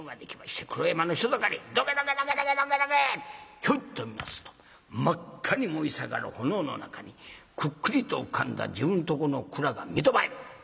ヒョイと見ますと真っ赤に燃え盛る炎の中にくっきりと浮かんだ自分とこの蔵が三戸前。